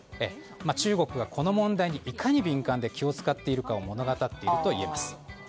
中国は、この問題にいかに敏感で気を使っているかを物語っているといえます。